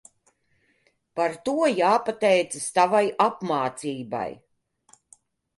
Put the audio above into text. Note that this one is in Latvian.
Par to jāpateicas tavai apmācībai.